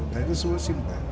dan itu selesai juga